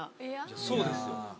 そうですよ。